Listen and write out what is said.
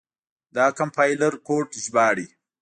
دا کمپایلر کوډ ژباړي.